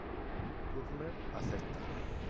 Turner acepta.